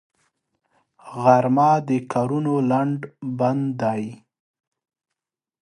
غرمه د کارونو لنډ بند دی